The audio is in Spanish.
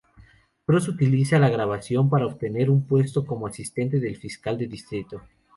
Cross utiliza la grabación para obtener un puesto como asistente del fiscal de distrito.